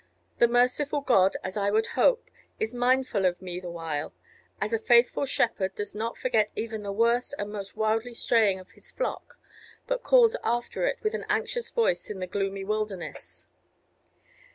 The merciful God, as I would hope, is mindful of me the while, as a faithful shepherd does not forget even the worst and most widely straying of his flock, but calls after it with an anxious voice in the gloomy wilderness."